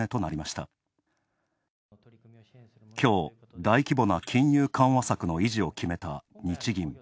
今日、大規模な金融緩和策の維持を決めた日銀。